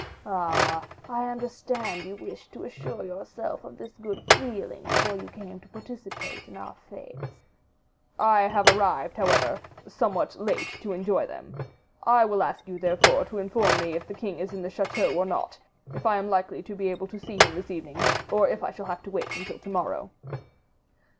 "Ah! I understand you wished to assure yourself of this good feeling before you came to participate in our fetes." "I have arrived, however, somewhat late to enjoy them. I will ask you, therefore, to inform me if the king is in the chateau or not, if I am likely to be able to see him this evening, or if I shall have to wait until to morrow."